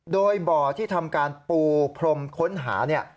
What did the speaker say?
โดยบ่อที่ทำการปูพรมค้นหาเนี่ย